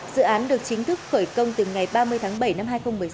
dự án được chính thức khởi công từ ngày ba mươi tháng bảy năm hai nghìn một mươi sáu